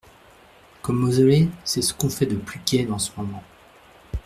Comme mausolée, c’est ce qu’on fait de plus gai dans ce moment.